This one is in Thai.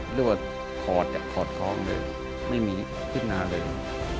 หรือว่าขอดขอดคลองเลยไม่มีขึ้นนาเลย